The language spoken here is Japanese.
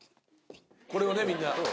これをねみんな。